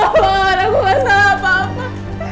aku gak akan salah apa apa